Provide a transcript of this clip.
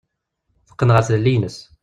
Teqqen ɣer tlelli-ines.